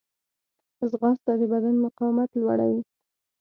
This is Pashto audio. ځغاسته د بدن مقاومت لوړوي